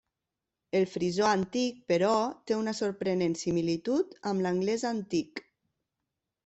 El frisó antic, però, té una sorprenent similitud amb l'anglès antic.